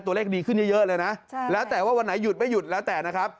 ดีขึ้นเยอะเลยนะแล้วแต่ว่าวันไหนหยุดไม่หยุดแล้วแต่นะครับ